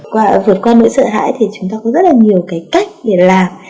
và vượt qua nỗi sợ hãi thì chúng ta có rất là nhiều cái cách để làm